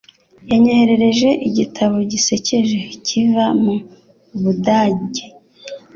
Yanyoherereje igitabo gisekeje kiva mu Budage.